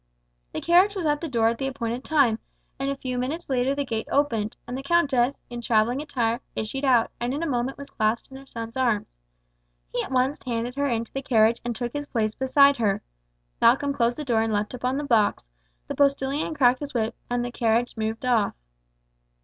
The carriage was at the door at the appointed time, and a few minutes later the gate opened, and the countess, in travelling attire, issued out, and in a moment was clasped in her son's arms. He at once handed her into the carriage and took his place beside her. Malcolm closed the door and leapt up on the box, the postilion cracked his whip, and the carriage moved off.